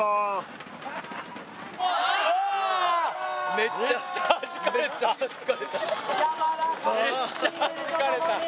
めっちゃはじかれた。